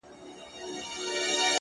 اخلاق د انسان د باور ژبه ده,